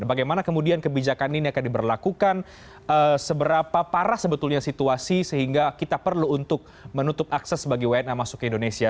bagaimana kemudian kebijakan ini akan diberlakukan seberapa parah sebetulnya situasi sehingga kita perlu untuk menutup akses bagi wna masuk ke indonesia